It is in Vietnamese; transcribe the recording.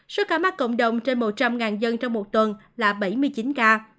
số ca mắc cộng đồng trên một trăm linh dân trong một tuần là bảy mươi chín ca